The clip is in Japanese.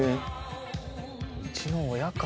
うちの親か？